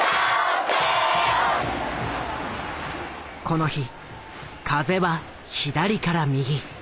この日風は左から右。